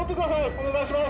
お願いします。